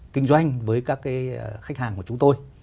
kinh doanh với các khách hàng của chúng tôi